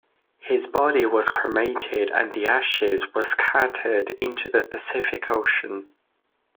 His body was cremated and the ashes were scattered into the Pacific Ocean.